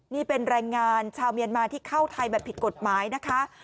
นี่เป็นแรงงานชาวเมียนมาที่เข้าไทยแบบผิดกฎหมายนะคะ